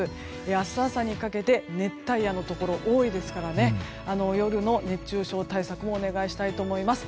明日朝にかけて熱帯夜のところ多いですから夜の熱中症対策をお願いしたいと思います。